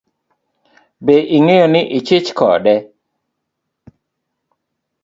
Be ing'eyo ni ichich kode?